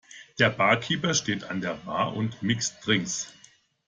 Der Barkeeper steht an der Bar und mixt Drinks.